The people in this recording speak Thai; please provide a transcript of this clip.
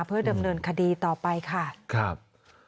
เพื่อดำเนินคดีต่อไปค่ะครับ